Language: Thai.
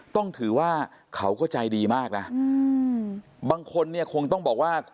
ต้องถือว่าเขาก็ใจดีมากนะบางคนเนี่ยคงต้องบอกว่า